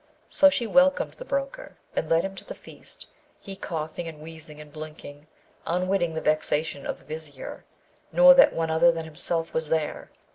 So she welcomed the broker, and led him to the feast, he coughing and wheezing and blinking, unwitting the vexation of the Vizier, nor that one other than himself was there.